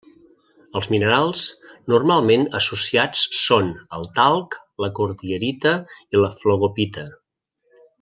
Els minerals normalment associats són el talc, la cordierita i la flogopita.